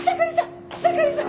草刈さん！